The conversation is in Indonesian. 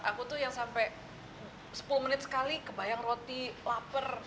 aku tuh yang sampai sepuluh menit sekali kebayang roti lapar